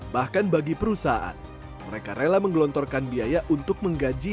bahkan bagi perusahaan mereka rela menggelontorkan biaya untuk menggaji